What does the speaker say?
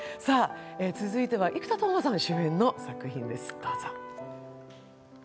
続いては生田斗真さん主演の作品です、どうぞ。